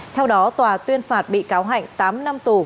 theo đó tòa tuyên phạt bị cáo hạnh tám năm tù